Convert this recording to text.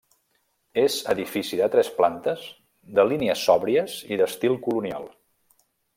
És edifici de tres plantes, de línies sòbries i d’estil colonial.